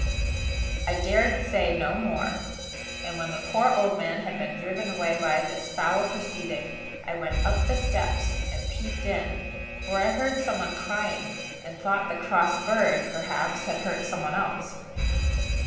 I dared say no more; and, when the poor old man had been driven away by this foul proceeding, I went up the steps and peeped in; for I heard some one crying, and thought the cross bird, perhaps, had hurt some one else.